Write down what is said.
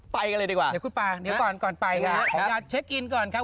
ไปกันเลยดีกว่าเดี๋ยวคุณป่าเดี๋ยวก่อนก่อนไปครับสัญญาเช็คอินก่อนครับ